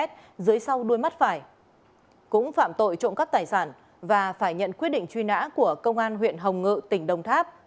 tội phạm tội trộm cắt tài sản và phải nhận quyết định truy nã của công an huyện hồng ngự tỉnh đông tháp